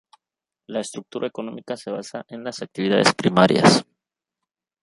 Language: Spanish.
La estructura económica se basa en las actividades primarias.